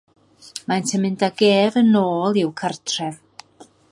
Maent yn mynd ag ef yn ôl i'w cartref.